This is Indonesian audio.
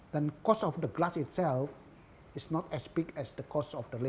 dan harga gelas itu sendiri tidak sebesar harga kerja